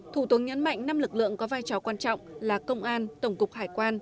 thủ tướng nhấn mạnh năm lực lượng có vai trò quan trọng là công an tổng cục hải quan